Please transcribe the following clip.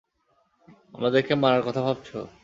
আমাদেরকে মারার কথা ভাবছো?